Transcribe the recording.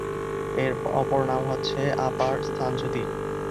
এর অপর নাম হচ্ছে "আপাত স্থানচ্যুতি"।